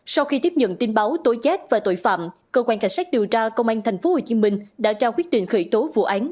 sau khi tiếp nhận tin báo tối giác và tội phạm cơ quan cảnh sát điều tra công an tp hcm đã trao quyết định khởi tố vụ án